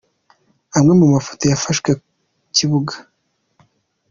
Amwe mu mafoto yafashwe ku kibuga.